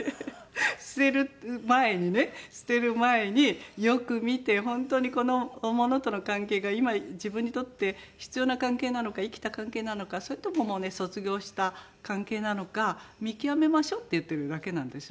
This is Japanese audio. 捨てる前にね捨てる前によく見て本当にこの物との関係が今自分にとって必要な関係なのか生きた関係なのかそれとももうね卒業した関係なのか見極めましょうって言ってるだけなんですよね。